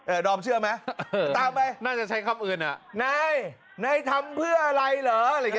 เอ่อดอมเชื่อไหมตามไปน่าจะใช้คำอื่นอ่ะนายนายทำเพื่ออะไรเหรออะไรอย่างนี้ไม่เชื่อหรอก